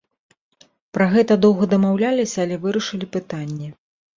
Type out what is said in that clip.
Пра гэта доўга дамаўляліся, але вырашылі пытанне.